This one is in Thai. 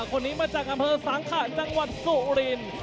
คนนี้มาจากอำเภอสังขะจังหวัดสุรินทร์